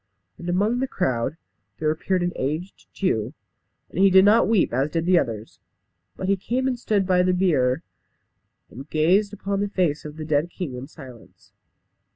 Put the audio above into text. And among the crowd there appeared an aged Jew. And he did not weep as did the others; but he came and stood by the bier, and gazed upon the face of the dead king in silence.